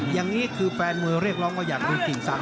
อย่างนี้คือแฟนมือเรียกร้องก็อยากรุ่งกิ่งสัง